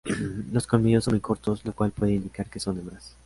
Los colmillos son muy cortos, lo cual puede indicar que son hembras.